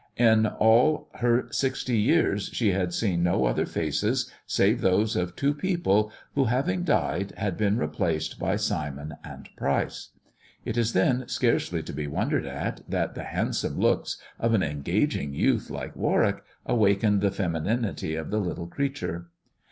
In all her sixty years she had seen no other faces^ save those of two people who, having died, had been replaced by Simon and Pryce. It is then scarcely to be wondered at that the handsome looks of an engaging 44 THE dwarf's chamber youth like Warwick awakened the femininity of the little creature.